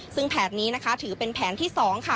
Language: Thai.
ซึ่งแผนนี้นะคะถือเป็นแผนที่๒ค่ะ